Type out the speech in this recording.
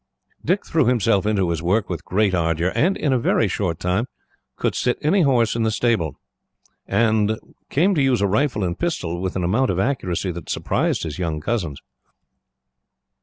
Dick threw himself into his work with great ardour, and in a very short time could sit any horse in the stable, and came to use a rifle and pistol with an amount of accuracy that surprised his young cousins.